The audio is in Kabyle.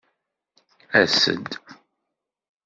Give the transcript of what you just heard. As-d!